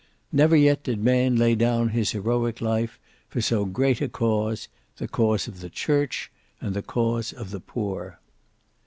Never yet did man lay down his heroic life for so great a cause: the cause of the Church and the cause of the Poor.